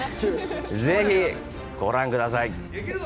ぜひご覧ください。